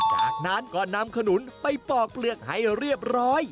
จากนั้นก็นำขนุนไปปอกเปลือกให้เรียบร้อย